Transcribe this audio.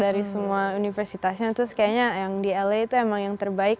dari semua universitasnya terus kayaknya yang di la itu emang yang terbaik